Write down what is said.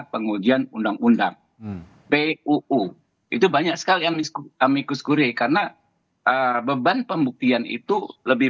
pengujian undang undang puu itu banyak sekali yang miskumikus kurir karena beban pembuktian itu lebih